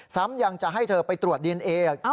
ซ้ำยังจะให้เธอไปตรวจดีเอนเอ